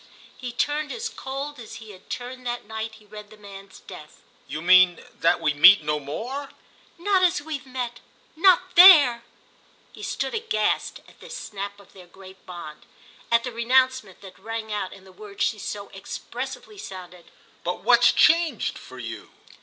He turned as cold as he had turned that night he read the man's death. "You mean that we meet no more?" "Not as we've met—not there!" He stood aghast at this snap of their great bond, at the renouncement that rang out in the word she so expressively sounded. "But what's changed—for you?"